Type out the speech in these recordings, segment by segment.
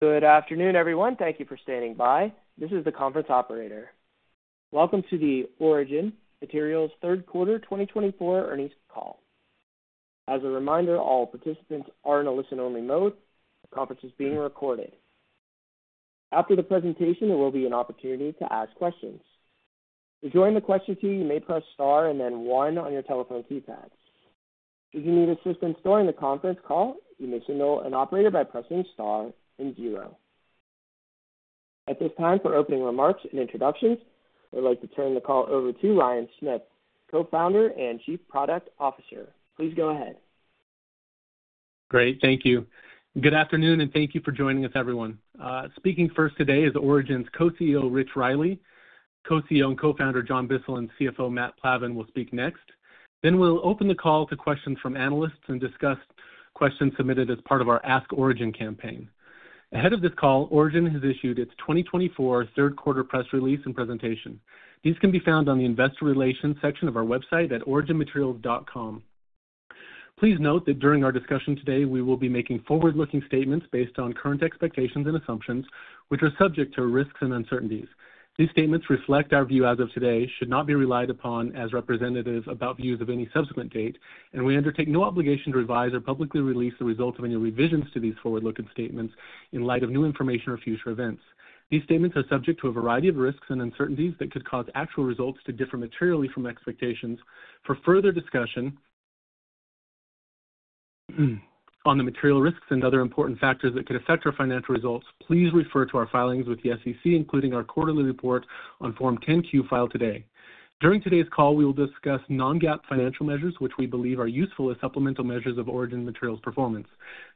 Good afternoon, everyone. Thank you for standing by. This is the conference operator. Welcome to the Origin Materials third quarter 2024 earnings call. As a reminder, all participants are in a listen-only mode. The conference is being recorded. After the presentation, there will be an opportunity to ask questions. To join the question queue, you may "press star and then one" on your telephone keypad. If you need assistance during the conference call, you may signal an operator by "pressing star and zero". At this time, for opening remarks and introductions, I'd like to turn the call over to Ryan Smith, co-founder and Chief Product Officer. Please go ahead. Great. Thank you. Good afternoon, and thank you for joining us, everyone. Speaking first today is Origin's Co-CEO, Rich Riley. Co-CEO and co-founder John Bissell and CFO Matt Plavan will speak next. Then we'll open the call to questions from analysts and discuss questions submitted as part of our Ask Origin campaign. Ahead of this call, Origin has issued its 2024 third quarter press release and presentation. These can be found on the investor relations section of our website at originmaterials.com. Please note that during our discussion today, we will be making forward-looking statements based on current expectations and assumptions, which are subject to risks and uncertainties. These statements reflect our view as of today and should not be relied upon as representative of our views on any subsequent date, and we undertake no obligation to revise or publicly release the results of any revisions to these forward-looking statements in light of new information or future events. These statements are subject to a variety of risks and uncertainties that could cause actual results to differ materially from expectations. For further discussion on the material risks and other important factors that could affect our financial results, please refer to our filings with the SEC, including our quarterly report on Form 10-Q filed today. During today's call, we will discuss non-GAAP financial measures, which we believe are useful as supplemental measures of Origin Materials' performance.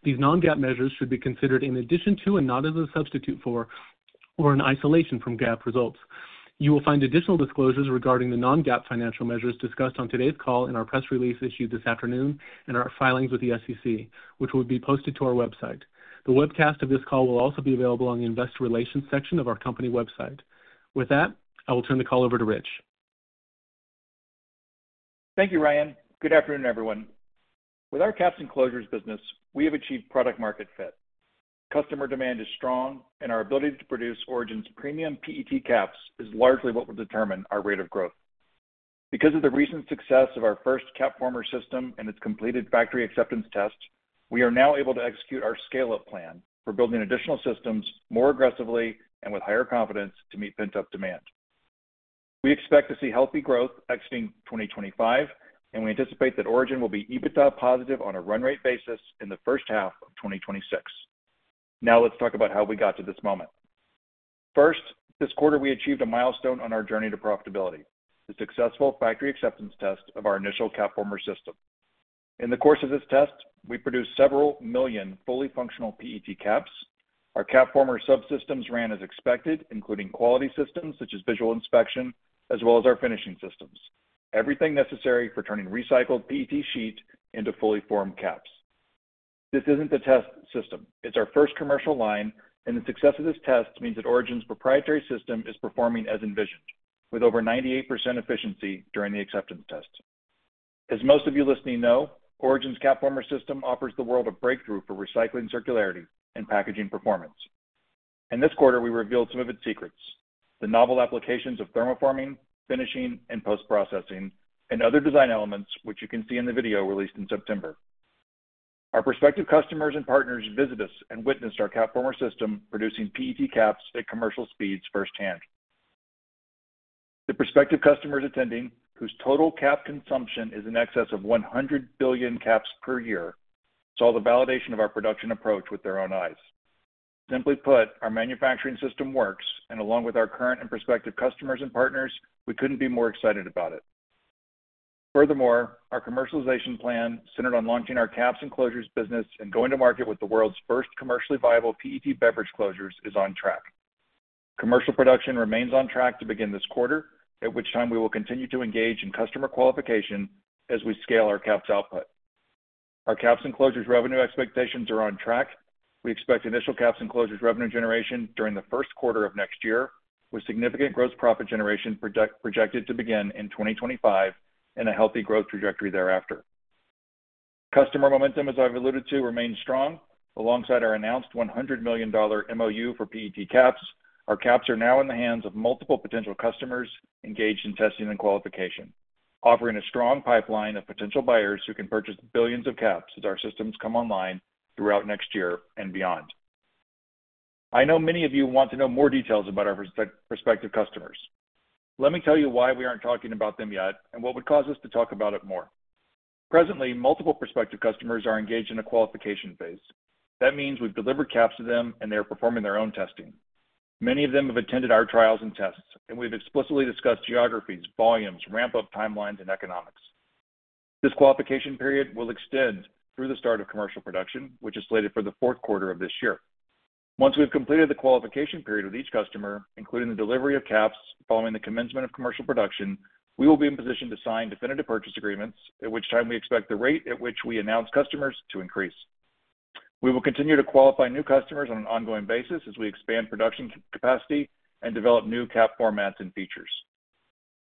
These non-GAAP measures should be considered in addition to and not as a substitute for or in isolation from GAAP results. You will find additional disclosures regarding the non-GAAP financial measures discussed on today's call in our press release issued this afternoon and our filings with the SEC, which will be posted to our website. The webcast of this call will also be available on the investor relations section of our company website. With that, I will turn the call over to Rich. Thank you, Ryan. Good afternoon, everyone. With our caps and closures business, we have achieved product-market fit. Customer demand is strong, and our ability to produce Origin's premium PET caps is largely what will determine our rate of growth. Because of the recent success of our first CapFormer system and its completed factory acceptance test, we are now able to execute our scale-up plan for building additional systems more aggressively and with higher confidence to meet pent-up demand. We expect to see healthy growth exiting 2025, and we anticipate that Origin will be EBITDA positive on a run-rate basis in the first half of 2026. Now let's talk about how we got to this moment. First, this quarter, we achieved a milestone on our journey to profitability: the successful factory acceptance test of our initial CapFormer system. In the course of this test, we produced several million fully functional PET caps. Our CapFormer subsystems ran as expected, including quality systems such as visual inspection, as well as our finishing systems, everything necessary for turning recycled PET sheet into fully formed caps. This isn't a test system. It's our first commercial line, and the success of this test means that Origin's proprietary system is performing as envisioned, with over 98% efficiency during the acceptance test. As most of you listening know, Origin's CapFormer system offers the world a breakthrough for recycling circularity and packaging performance. In this quarter, we revealed some of its secrets: the novel applications of thermoforming, finishing, and post-processing, and other design elements, which you can see in the video released in September. Our prospective customers and partners visited us and witnessed our CapFormer system producing PET caps at commercial speeds firsthand. The prospective customers attending, whose total cap consumption is in excess of 100 billion caps per year, saw the validation of our production approach with their own eyes. Simply put, our manufacturing system works, and along with our current and prospective customers and partners, we couldn't be more excited about it. Furthermore, our commercialization plan centered on launching our caps and closures business and going to market with the world's first commercially viable PET beverage closures is on track. Commercial production remains on track to begin this quarter, at which time we will continue to engage in customer qualification as we scale our caps output. Our caps and closures revenue expectations are on track. We expect initial caps and closures revenue generation during the first quarter of next year, with significant gross profit generation projected to begin in 2025 and a healthy growth trajectory thereafter. Customer momentum, as I've alluded to, remains strong. Alongside our announced $100 million MOU for PET caps, our caps are now in the hands of multiple potential customers engaged in testing and qualification, offering a strong pipeline of potential buyers who can purchase billions of caps as our systems come online throughout next year and beyond. I know many of you want to know more details about our prospective customers. Let me tell you why we aren't talking about them yet and what would cause us to talk about it more. Presently, multiple prospective customers are engaged in a qualification phase. That means we've delivered caps to them, and they are performing their own testing. Many of them have attended our trials and tests, and we've explicitly discussed geographies, volumes, ramp-up timelines, and economics. This qualification period will extend through the start of commercial production, which is slated for the fourth quarter of this year. Once we've completed the qualification period with each customer, including the delivery of caps following the commencement of commercial production, we will be in position to sign definitive purchase agreements, at which time we expect the rate at which we announce customers to increase. We will continue to qualify new customers on an ongoing basis as we expand production capacity and develop new cap formats and features.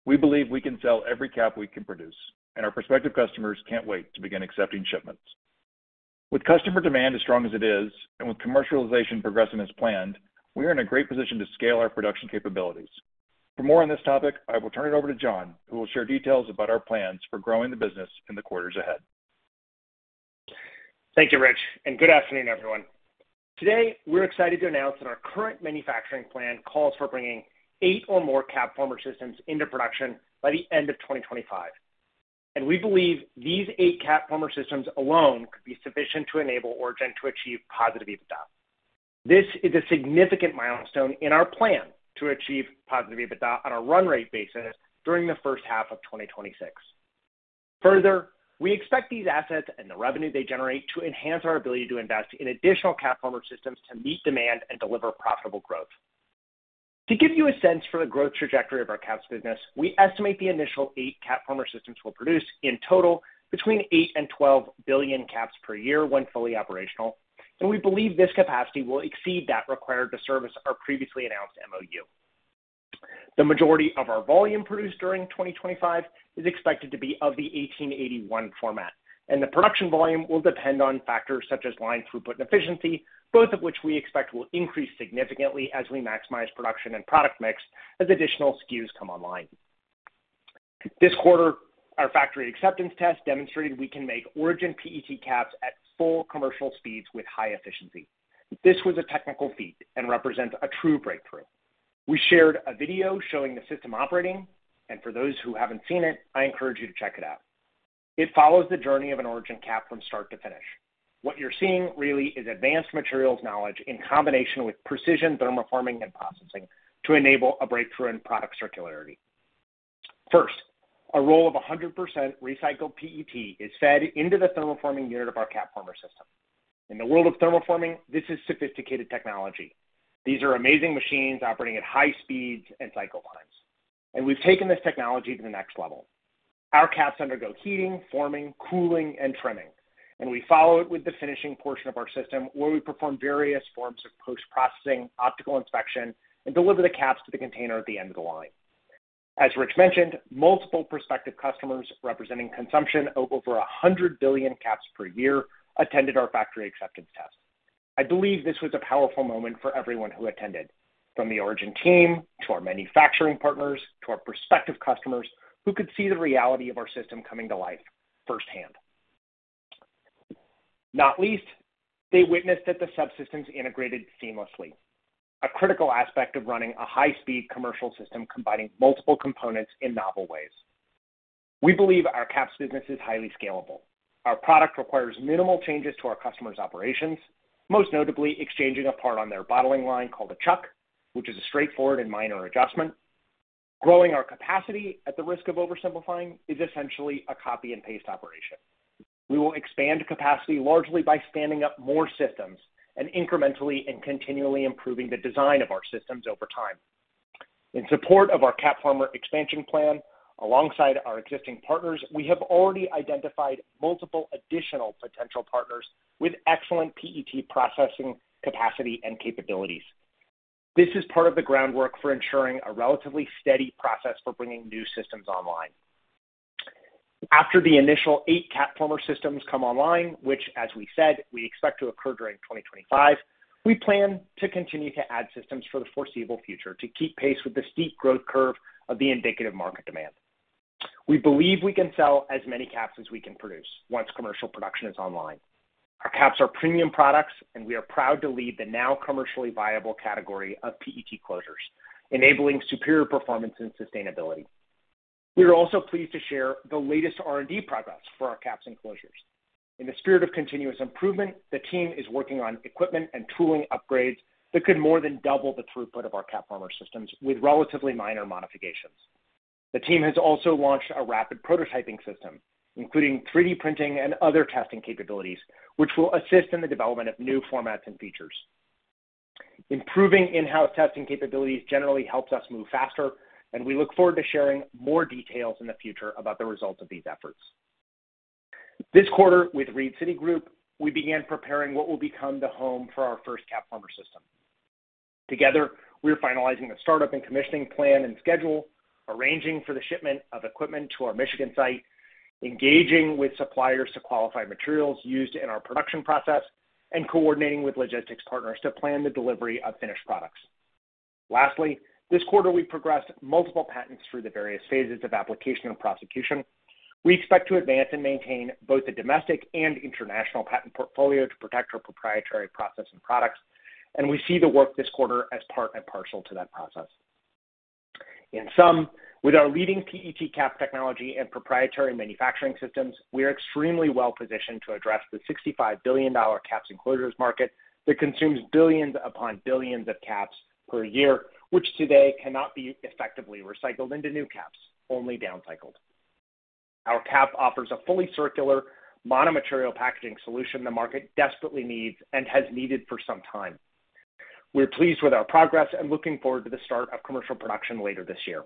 We believe we can sell every cap we can produce, and our prospective customers can't wait to begin accepting shipments. With customer demand as strong as it is and with commercialization progressing as planned, we are in a great position to scale our production capabilities. For more on this topic, I will turn it over to John, who will share details about our plans for growing the business in the quarters ahead. Thank you, Rich, and good afternoon, everyone. Today, we're excited to announce that our current manufacturing plan calls for bringing eight or more CapFormer systems into production by the end of 2025. And we believe these eight CapFormer systems alone could be sufficient to enable Origin 2 achieve positive EBITDA. This is a significant milestone in our plan to achieve positive EBITDA on a run-rate basis during the first half of 2026. Further, we expect these assets and the revenue they generate to enhance our ability to invest in additional CapFormer systems to meet demand and deliver profitable growth. To give you a sense for the growth trajectory of our caps business, we estimate the initial eight CapFormer systems we'll produce in total between 8 and 12 billion caps per year when fully operational, and we believe this capacity will exceed that required to service our previously announced MOU. The majority of our volume produced during 2025 is expected to be of the 1881 format, and the production volume will depend on factors such as line throughput and efficiency, both of which we expect will increase significantly as we maximize production and product mix as additional SKUs come online. This quarter, our factory acceptance test demonstrated we can make Origin PET caps at full commercial speeds with high efficiency. This was a technical feat and represents a true breakthrough. We shared a video showing the system operating, and for those who haven't seen it, I encourage you to check it out. It follows the journey of an Origin cap from start to finish. What you're seeing really is advanced materials knowledge in combination with precision thermoforming and processing to enable a breakthrough in product circularity. First, a roll of 100% recycled PET is fed into the thermoforming unit of our CapFormer system. In the world of thermoforming, this is sophisticated technology. These are amazing machines operating at high speeds and cycle times, and we've taken this technology to the next level. Our caps undergo heating, forming, cooling, and trimming, and we follow it with the finishing portion of our system where we perform various forms of post-processing, optical inspection, and deliver the caps to the container at the end of the line. As Rich mentioned, multiple prospective customers representing consumption of over 100 billion caps per year attended our factory acceptance test. I believe this was a powerful moment for everyone who attended, from the Origin team to our manufacturing partners to our prospective customers who could see the reality of our system coming to life firsthand. Not least, they witnessed that the subsystems integrated seamlessly, a critical aspect of running a high-speed commercial system combining multiple components in novel ways. We believe our caps business is highly scalable. Our product requires minimal changes to our customers' operations, most notably exchanging a part on their bottling line called a chuck, which is a straightforward and minor adjustment. Growing our capacity at the risk of oversimplifying is essentially a copy-and-paste operation. We will expand capacity largely by standing up more systems and incrementally and continually improving the design of our systems over time. In support of our CapFormer expansion plan, alongside our existing partners, we have already identified multiple additional potential partners with excellent PET processing capacity and capabilities. This is part of the groundwork for ensuring a relatively steady process for bringing new systems online. After the initial eight CapFormer systems come online, which, as we said, we expect to occur during 2025, we plan to continue to add systems for the foreseeable future to keep pace with the steep growth curve of the indicative market demand. We believe we can sell as many caps as we can produce once commercial production is online. Our caps are premium products, and we are proud to lead the now commercially viable category of PET closures, enabling superior performance and sustainability. We are also pleased to share the latest R&D progress for our caps and closures. In the spirit of continuous improvement, the team is working on equipment and tooling upgrades that could more than double the throughput of our CapFormer systems with relatively minor modifications. The team has also launched a rapid prototyping system, including 3D printing and other testing capabilities, which will assist in the development of new formats and features. Improving in-house testing capabilities generally helps us move faster, and we look forward to sharing more details in the future about the results of these efforts. This quarter, with Reed City Group, we began preparing what will become the home for our first CapFormer system. Together, we are finalizing the startup and commissioning plan and schedule, arranging for the shipment of equipment to our Michigan site, engaging with suppliers to qualify materials used in our production process, and coordinating with logistics partners to plan the delivery of finished products. Lastly, this quarter, we progressed multiple patents through the various phases of application and prosecution. We expect to advance and maintain both the domestic and international patent portfolio to protect our proprietary process and products, and we see the work this quarter as part and parcel to that process. In sum, with our leading PET cap technology and proprietary manufacturing systems, we are extremely well positioned to address the $65 billion caps and closures market that consumes billions upon billions of caps per year, which today cannot be effectively recycled into new caps, only downcycled. Our cap offers a fully circular monomaterial packaging solution the market desperately needs and has needed for some time. We're pleased with our progress and looking forward to the start of commercial production later this year.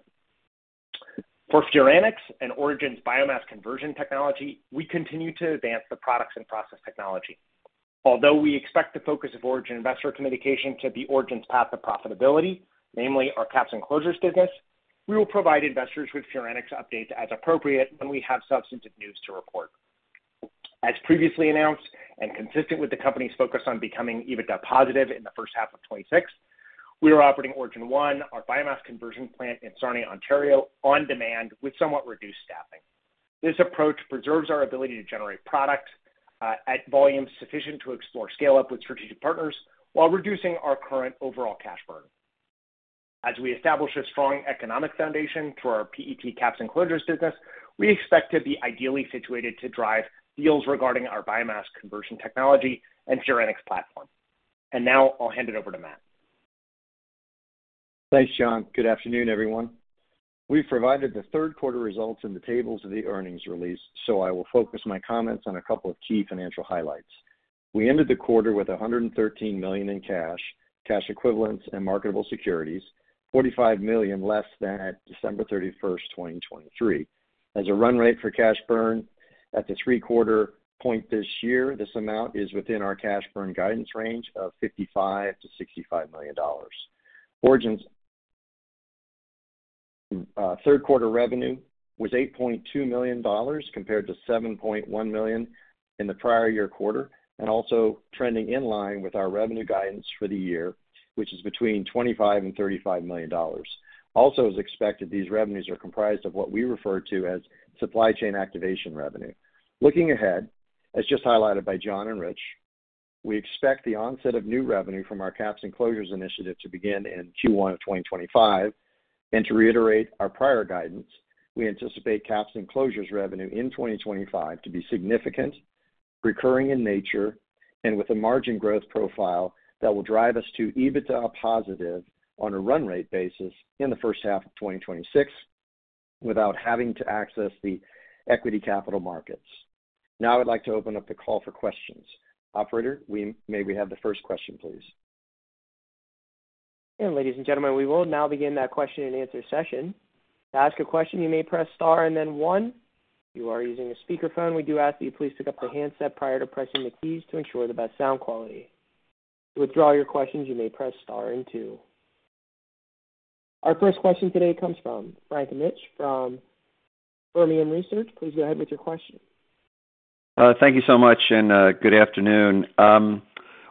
For Furanics and Origin's biomass conversion technology, we continue to advance the products and process technology. Although we expect the focus of Origin investor communication to be Origin's path of profitability, namely our caps and closures business, we will provide investors with Furanics updates as appropriate when we have substantive news to report. As previously announced and consistent with the company's focus on becoming EBITDA positive in the first half of 2026, we are operating Origin 1, our biomass conversion plant in Sarnia, Ontario, on demand with somewhat reduced staffing. This approach preserves our ability to generate product at volumes sufficient to explore scale-up with strategic partners while reducing our current overall cash burden. As we establish a strong economic foundation through our PET caps and closures business, we expect to be ideally situated to drive deals regarding our biomass conversion technology and Furanics platform, and now I'll hand it over to Matt. Thanks, John. Good afternoon, everyone. We've provided the third quarter results in the tables of the earnings release, so I will focus my comments on a couple of key financial highlights. We ended the quarter with $113 million in cash, cash equivalents, and marketable securities, $45 million less than at December 31st, 2023. As a run rate for cash burn at the three-quarter point this year, this amount is within our cash burn guidance range of $55-$65 million. Origin's third quarter revenue was $8.2 million compared to $7.1 million in the prior year quarter, and also trending in line with our revenue guidance for the year, which is between $25-$35 million. Also, it is expected these revenues are comprised of what we refer to as supply chain activation revenue. Looking ahead, as just highlighted by John and Rich, we expect the onset of new revenue from our caps and closures initiative to begin in Q1 of 2025. And to reiterate our prior guidance, we anticipate caps and closures revenue in 2025 to be significant, recurring in nature, and with a margin growth profile that will drive us to EBITDA positive on a run-rate basis in the first half of 2026 without having to access the equity capital markets. Now I'd like to open up the call for questions. Operator, we may have the first question, please. Ladies and gentlemen, we will now begin that question and answer session. "To ask a question, you may press star and then one". If you are using a speakerphone, we do ask that you please pick up the handset prior to pressing the keys to ensure the best sound quality. "To withdraw your questions, you may press star and two". Our first question today comes from Frank Mitsch from Fermium Research. Please go ahead with your question. Thank you so much and good afternoon. I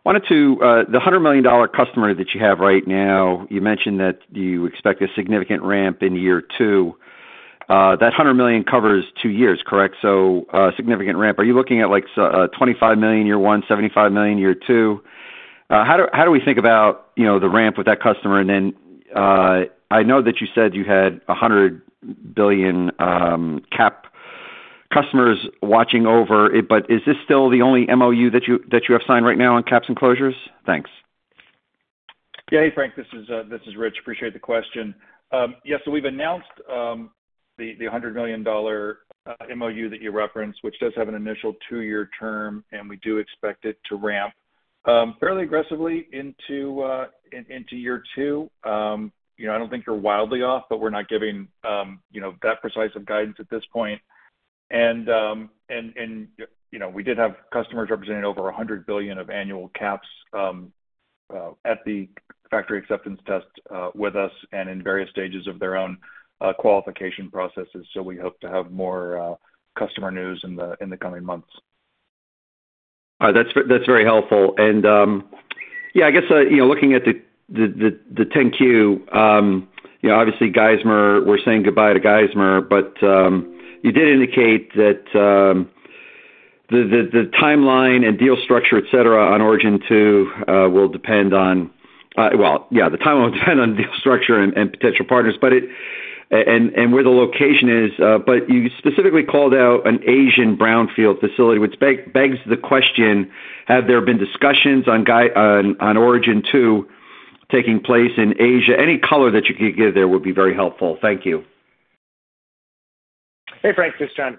wanted to the $100 million customer that you have right now. You mentioned that you expect a significant ramp in year two. That 100 million covers two years, correct? So a significant ramp. Are you looking at like 25 million year one, 75 million year two? How do we think about the ramp with that customer? And then I know that you said you had 100 billion cap customers watching over it, but is this still the only MOU that you have signed right now on caps and closures? Thanks. Yeah, hey, Frank, this is Rich. Appreciate the question. Yeah, so we've announced the $100 million MOU that you referenced, which does have an initial two-year term, and we do expect it to ramp fairly aggressively into year two. I don't think you're wildly off, but we're not giving that precise of guidance at this point. And we did have customers representing over 100 billion of annual caps at the factory acceptance test with us and in various stages of their own qualification processes. So we hope to have more customer news in the coming months. That's very helpful. And yeah, I guess looking at the 10-Q, obviously, Geismar, we're saying goodbye to Geismar, but you did indicate that the timeline and deal structure, et cetera, on Origin Two will depend on, well, yeah, the timeline will depend on the deal structure and potential partners, but and where the location is. But you specifically called out an Asian brownfield facility, which begs the question, have there been discussions on Origin 2 taking place in Asia? Any color that you could give there would be very helpful. Thank you. Hey, Frank, this is John.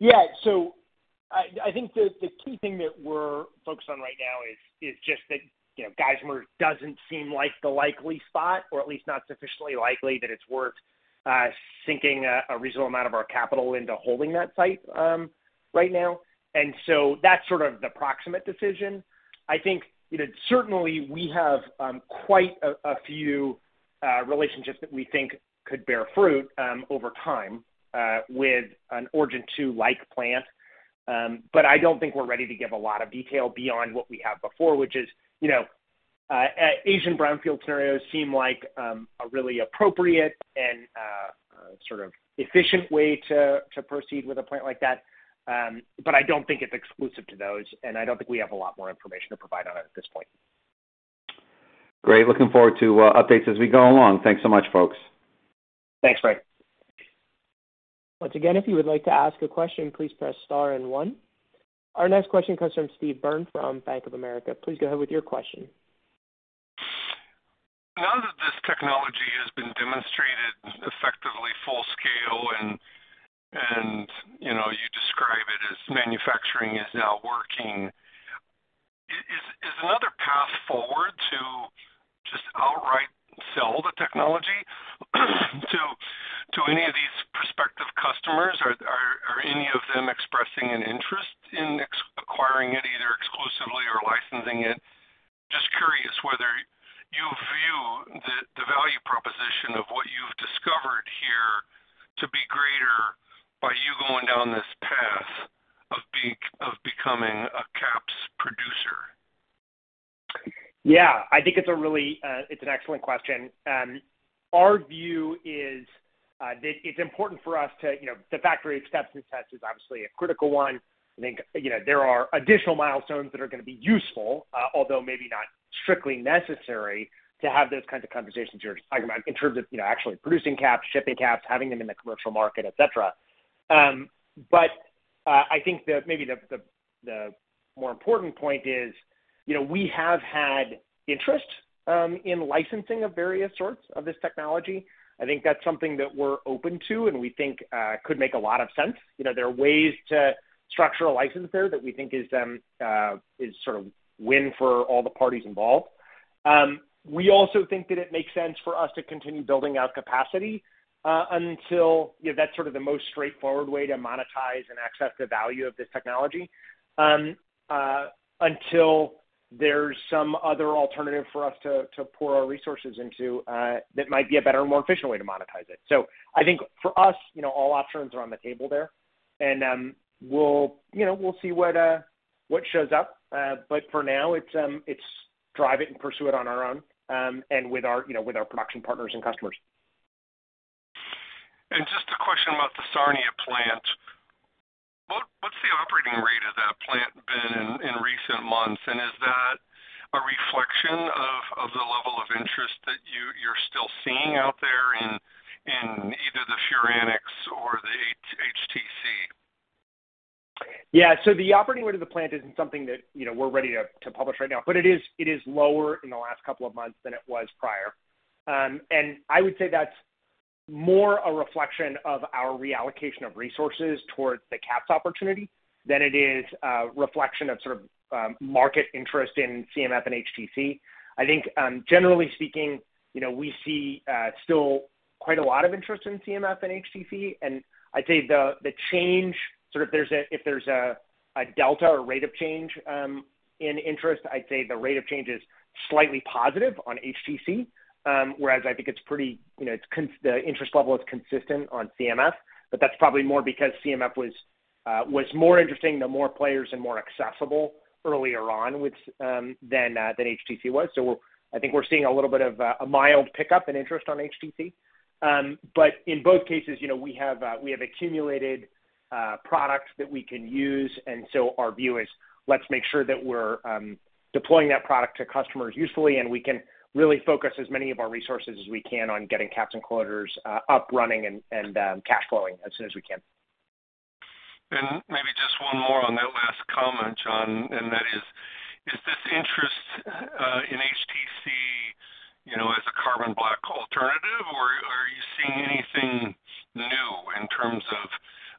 Yeah, so I think the key thing that we're focused on right now is just that Geismar doesn't seem like the likely spot, or at least not sufficiently likely that it's worth sinking a reasonable amount of our capital into holding that site right now, and so that's sort of the proximate decision. I think certainly we have quite a few relationships that we think could bear fruit over time with an Origin 2-like plant, but I don't think we're ready to give a lot of detail beyond what we have before, which is Asian brownfield scenarios seem like a really appropriate and sort of efficient way to proceed with a plant like that, but I don't think it's exclusive to those, and I don't think we have a lot more information to provide on it at this point. Great. Looking forward to updates as we go along. Thanks so much, folks. Thanks, Frank. Once again, if you would like "to ask a question, please press star and one". Our next question comes from Steve Byrne from Bank of America. Please go ahead with your question. Now that this technology has been demonstrated effectively full scale and you describe it as manufacturing is now working, is another path forward to just outright sell the technology to any of these prospective customers? Are any of them expressing an interest in acquiring it either exclusively or licensing it? Just curious whether you view the value proposition of what you've discovered here to be greater by you going down this path of becoming a caps producer. Yeah, I think it's a really excellent question. Our view is that it's important for us that the Factory Acceptance Test is obviously a critical one. I think there are additional milestones that are going to be useful, although maybe not strictly necessary to have those kinds of conversations you're talking about in terms of actually producing caps, shipping caps, having them in the commercial market, et cetera. But I think that maybe the more important point is we have had interest in licensing of various sorts of this technology. I think that's something that we're open to and we think could make a lot of sense. There are ways to structure a license there that we think is sort of win for all the parties involved. We also think that it makes sense for us to continue building out capacity until that's sort of the most straightforward way to monetize and access the value of this technology until there's some other alternative for us to pour our resources into that might be a better and more efficient way to monetize it. So I think for us, all options are on the table there, and we'll see what shows up. But for now, it's drive it and pursue it on our own and with our production partners and customers. Just a question about the Sarnia plant. What's the operating rate of that plant been in recent months? Is that a reflection of the level of interest that you're still seeing out there in either the Furanics or the HTC? Yeah, so the operating rate of the plant isn't something that we're ready to publish right now, but it is lower in the last couple of months than it was prior. And I would say that's more a reflection of our reallocation of resources towards the caps opportunity than it is a reflection of sort of market interest in CMF and HTC. I think, generally speaking, we see still quite a lot of interest in CMF and HTC. And I'd say the change, sort of if there's a delta or rate of change in interest, I'd say the rate of change is slightly positive on HTC, whereas I think it's pretty the interest level is consistent on CMF, but that's probably more because CMF was more interesting to more players and more accessible earlier on than HTC was. So I think we're seeing a little bit of a mild pickup in interest on HTC. But in both cases, we have accumulated products that we can use, and so our view is let's make sure that we're deploying that product to customers usefully, and we can really focus as many of our resources as we can on getting caps and closures up, running, and cash flowing as soon as we can. Maybe just one more on that last comment, John, and that is, is this interest in HTC as a carbon black alternative, or are you seeing anything new in terms of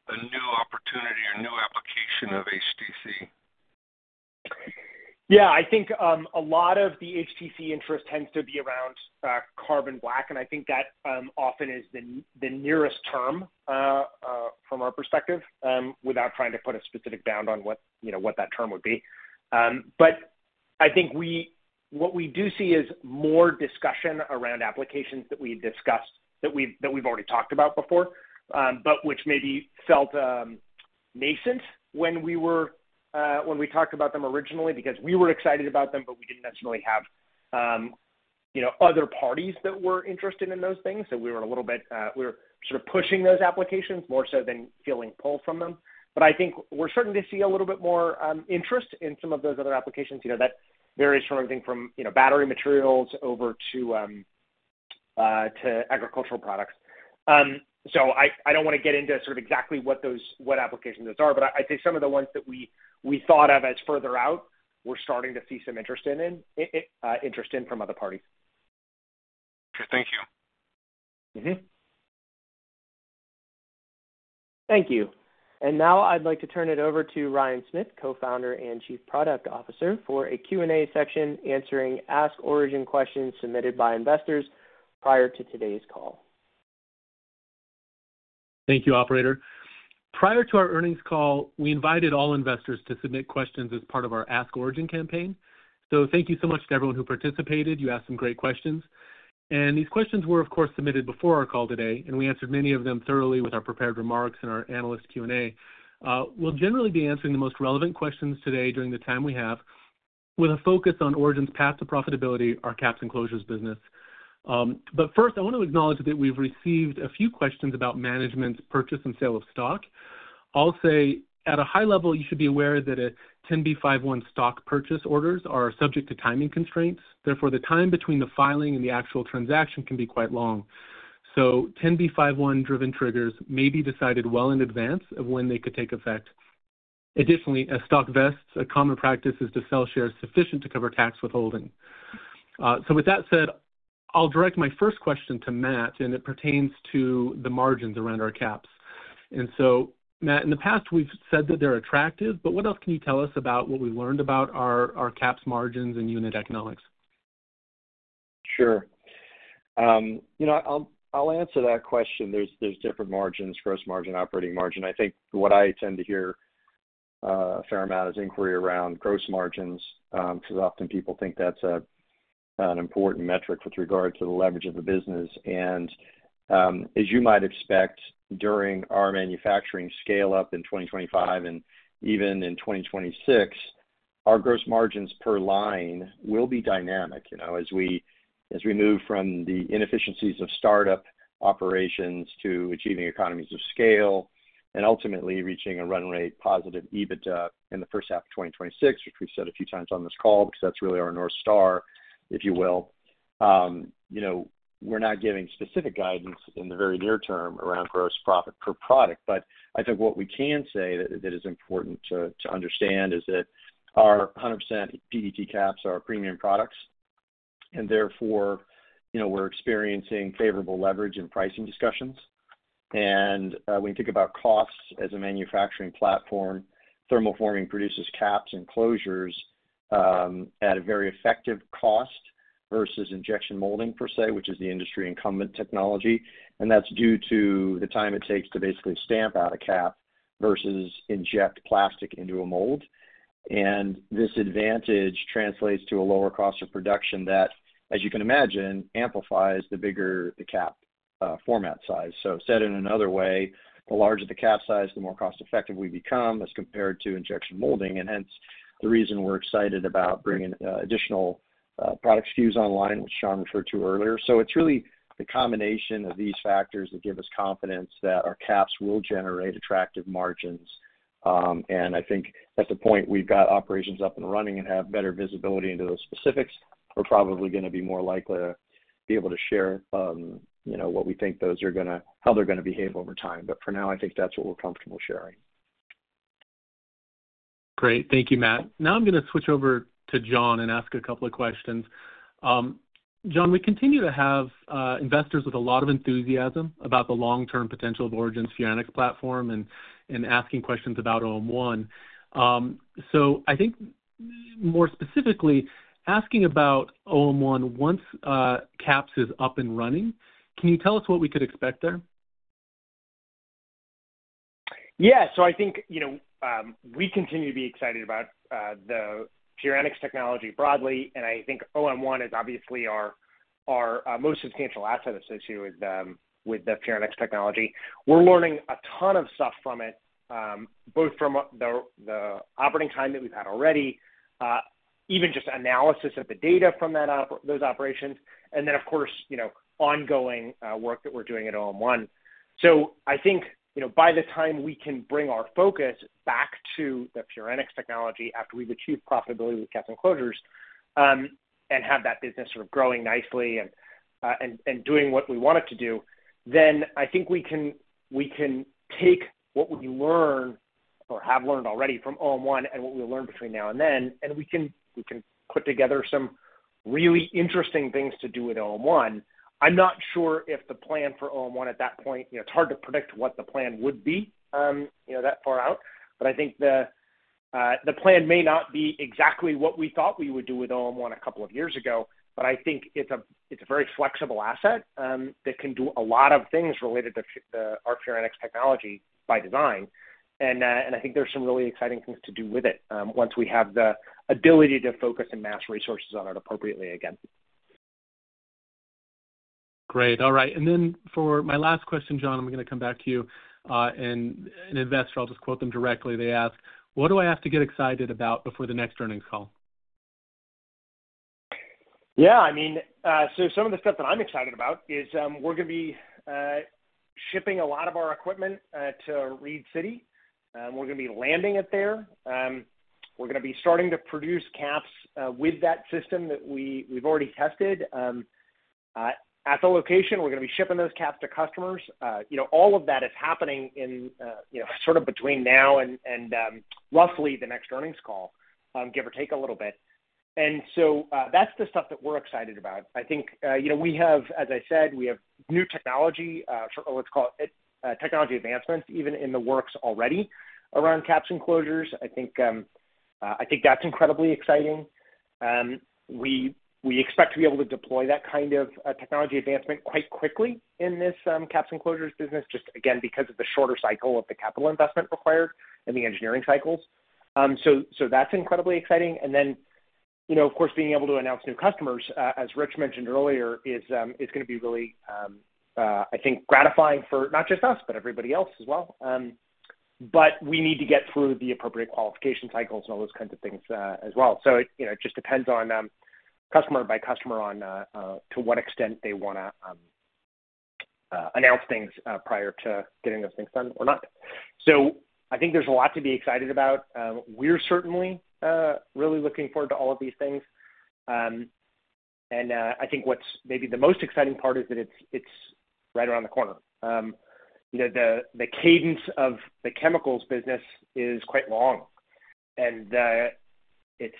a new opportunity or new application of HTC? Yeah, I think a lot of the HTC interest tends to be around carbon black, and I think that often is the nearest term from our perspective without trying to put a specific bound on what that term would be. But I think what we do see is more discussion around applications that we've discussed that we've already talked about before, but which maybe felt nascent when we talked about them originally because we were excited about them, but we didn't necessarily have other parties that were interested in those things. So we were a little bit sort of pushing those applications more so than feeling pull from them. But I think we're starting to see a little bit more interest in some of those other applications that vary from everything from battery materials over to agricultural products. So I don't want to get into sort of exactly what applications those are, but I'd say some of the ones that we thought of as further out, we're starting to see some interest in from other parties. Okay, thank you. Thank you. And now I'd like to turn it over to Ryan Smith, Co-founder and Chief Product Officer for a Q&A section answering Ask Origin questions submitted by investors prior to today's call. Thank you, Operator. Prior to our earnings call, we invited all investors to submit questions as part of our Ask Origin campaign. So thank you so much to everyone who participated. You asked some great questions. And these questions were, of course, submitted before our call today, and we answered many of them thoroughly with our prepared remarks and our analyst Q&A. We'll generally be answering the most relevant questions today during the time we have with a focus on Origin's path to profitability, our caps and closures business. But first, I want to acknowledge that we've received a few questions about management's purchase and sale of stock. I'll say at a high level, you should be aware that a 10b5-1 stock purchase orders are subject to timing constraints. Therefore, the time between the filing and the actual transaction can be quite long. So 10b5-1-driven triggers may be decided well in advance of when they could take effect. Additionally, as stock vests, a common practice is to sell shares sufficient to cover tax withholding. So with that said, I'll direct my first question to Matt, and it pertains to the margins around our caps. And so, Matt, in the past, we've said that they're attractive, but what else can you tell us about what we've learned about our caps margins and unit economics? Sure. I'll answer that question. There's different margins, gross margin, operating margin. I think what I tend to hear a fair amount is inquiry around gross margins because often people think that's an important metric with regard to the leverage of the business. And as you might expect, during our manufacturing scale-up in 2025 and even in 2026, our gross margins per line will be dynamic as we move from the inefficiencies of startup operations to achieving economies of scale and ultimately reaching a run rate positive EBITDA in the first half of 2026, which we've said a few times on this call because that's really our North Star, if you will. We're not giving specific guidance in the very near term around gross profit per product, but I think what we can say that is important to understand is that our 100% PET caps are premium products, and therefore we're experiencing favorable leverage and pricing discussions, and when you think about costs as a manufacturing platform, thermoforming produces caps and closures at a very effective cost versus injection molding per se, which is the industry incumbent technology. And that's due to the time it takes to basically stamp out a cap versus inject plastic into a mold, and this advantage translates to a lower cost of production that, as you can imagine, amplifies the bigger the cap format size. So said in another way, the larger the cap size, the more cost-effective we become as compared to injection molding. Hence, the reason we're excited about bringing additional product SKUs online, which John referred to earlier. So it's really the combination of these factors that give us confidence that our caps will generate attractive margins. And I think at the point we've got operations up and running and have better visibility into those specifics, we're probably going to be more likely to be able to share what we think those are going to, how they're going to behave over time. But for now, I think that's what we're comfortable sharing. Great. Thank you, Matt. Now I'm going to switch over to John and ask a couple of questions. John, we continue to have investors with a lot of enthusiasm about the long-term potential of Origin's Furanics platform and asking questions about OM1. So I think more specifically, asking about OM1 once caps is up and running, can you tell us what we could expect there? Yeah. So I think we continue to be excited about the Furanics technology broadly, and I think Origin 1 is obviously our most substantial asset associated with the Furanics technology. We're learning a ton of stuff from it, both from the operating time that we've had already, even just analysis of the data from those operations, and then, of course, ongoing work that we're doing at Origin 1. So I think by the time we can bring our focus back to the Furanics technology after we've achieved profitability with caps and closures and have that business sort of growing nicely and doing what we want it to do, then I think we can take what we learn or have learned already from Origin 1 and what we learn between now and then, and we can put together some really interesting things to do with Origin 1. I'm not sure if the plan for OM1 at that point. It's hard to predict what the plan would be that far out, but I think the plan may not be exactly what we thought we would do with OM1 a couple of years ago, but I think it's a very flexible asset that can do a lot of things related to our Furanics technology by design, and I think there's some really exciting things to do with it once we have the ability to focus and mass resources on it appropriately again. Great. All right. And then for my last question, John, I'm going to come back to you. And an investor, I'll just quote them directly. They ask, "What do I have to get excited about before the next earnings call? Yeah. I mean, so some of the stuff that I'm excited about is we're going to be shipping a lot of our equipment to Reed City. We're going to be landing it there. We're going to be starting to produce caps with that system that we've already tested at the location. We're going to be shipping those caps to customers. All of that is happening sort of between now and roughly the next earnings call, give or take a little bit. And so that's the stuff that we're excited about. I think we have, as I said, we have new technology, what's called technology advancements, even in the works already around caps and closures. I think that's incredibly exciting. We expect to be able to deploy that kind of technology advancement quite quickly in this caps and closures business, just again, because of the shorter cycle of the capital investment required and the engineering cycles, so that's incredibly exciting, and then, of course, being able to announce new customers, as Rich mentioned earlier, is going to be really, I think, gratifying for not just us, but everybody else as well, but we need to get through the appropriate qualification cycles and all those kinds of things as well, so it just depends on customer by customer to what extent they want to announce things prior to getting those things done or not, so I think there's a lot to be excited about. We're certainly really looking forward to all of these things, and I think what's maybe the most exciting part is that it's right around the corner. The cadence of the chemicals business is quite long, and it's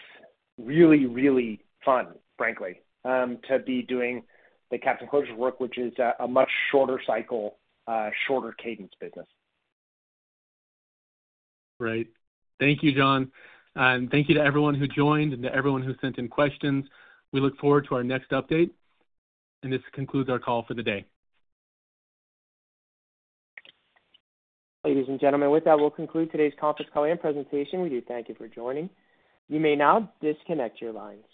really, really fun, frankly, to be doing the caps and closures work, which is a much shorter cycle, shorter cadence business. Great. Thank you, John, and thank you to everyone who joined and to everyone who sent in questions. We look forward to our next update, and this concludes our call for the day. Ladies and gentlemen, with that, we'll conclude today's conference call and presentation. We do thank you for joining. You may now disconnect your lines.